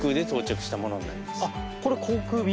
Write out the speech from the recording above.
これ航空便？